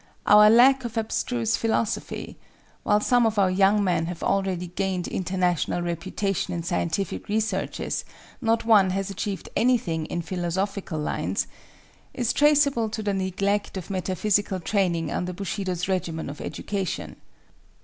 Our lack of abstruse philosophy—while some of our young men have already gained international reputation in scientific researches, not one has achieved anything in philosophical lines—is traceable to the neglect of metaphysical training under Bushido's regimen of education.